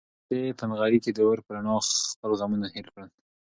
لښتې په نغري کې د اور په رڼا خپل غمونه هېر کړل.